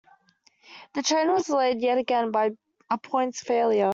The train was delayed yet again by a points failure